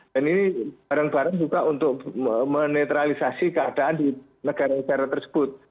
dan ini bareng bareng juga untuk menetralisasi keadaan di negara negara tersebut